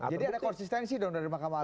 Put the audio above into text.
jadi ada konsistensi dong dari makam agung